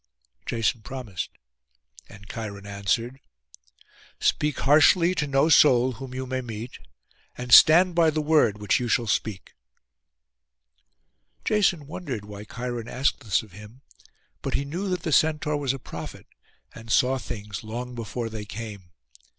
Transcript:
Jason promised, and Cheiron answered, 'Speak harshly to no soul whom you may meet, and stand by the word which you shall speak.' Jason wondered why Cheiron asked this of him; but he knew that the Centaur was a prophet, and saw things long before they came.